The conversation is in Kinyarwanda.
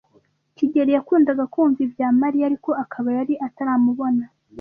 kigeli yakundaga kumva ibya Mariya, ariko akaba yari ataramubona.